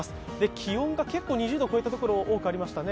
気温が結構２０度を超えたところが多くありましたね。